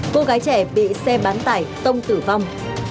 cô gái trẻ bị xe bán tải tông tử vong